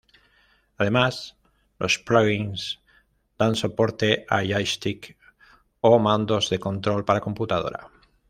Además, los plugins dan soporte a joystick o mandos de control para computadora.